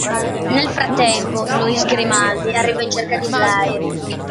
Nel frattempo, Louis Grimaldi arriva in cerca di Blair.